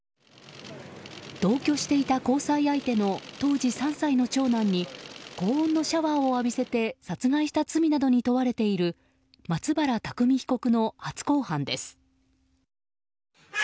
同居していた交際相手の当時３歳の長男に高温のシャワーを浴びせて殺害した罪などに問われている松原拓海被告の初公判です。